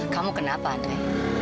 kamu kenapa andre